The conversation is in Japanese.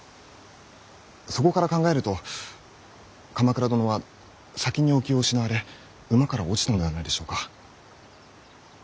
そこから考えると鎌倉殿は先にお気を失われ馬から落ちたのではないでしょうか。